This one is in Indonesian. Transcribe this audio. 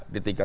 di tiga puluh